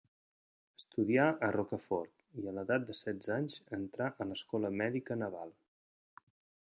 Estudià a Rochefort, i a l'edat de setze anys, entrà a l'Escola Mèdica Naval.